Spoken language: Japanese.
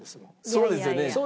そうですよね。